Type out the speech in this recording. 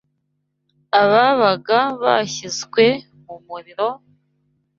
ababaga bashyizwe mu muriro,